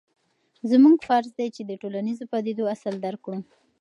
زموږ فرض دی چې د ټولنیزو پدیدو اصل درک کړو.